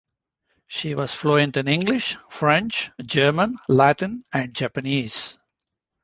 She was fluent in English, French, German, Latin, and Japanese.